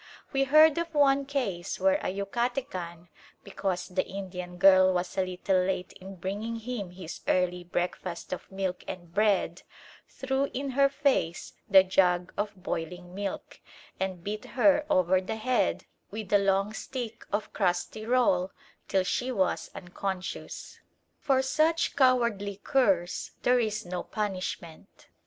We heard of one case where a Yucatecan, because the Indian girl was a little late in bringing him his early breakfast of milk and bread, threw in her face the jug of boiling milk, and beat her over the head with the long stick of crusty roll till she was unconscious. For such cowardly curs there is no punishment.